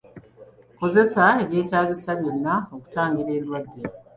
Kozesa ebyetaagisa byonna okutangira endwadde.